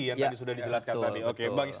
yang tadi sudah dijelaskan tadi